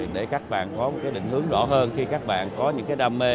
để các bạn có một định hướng rõ hơn khi các bạn có những cái đam mê